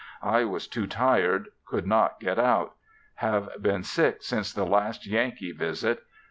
I was too tired, could not get out; have been sick since the last Yankee visit.